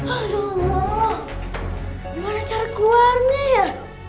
aduh gimana cara keluarnya ya